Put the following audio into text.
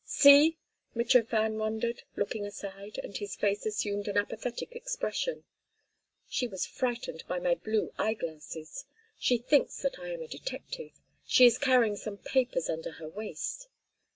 "See!" Mitrofan wondered, looking aside, and his face assumed an apathetic expression. "She was frightened by my blue eyeglasses. She thinks that I am a detective; she is carrying some papers under her waist.